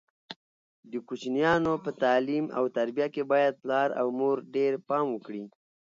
د کوچنیانو په تعلیم او تربیه کې باید پلار او مور ډېر پام وکړي.